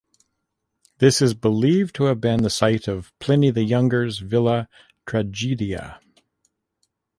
This is believed to have been the site of Pliny the Younger's villa "Tragedia".